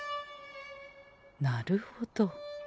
なるほど。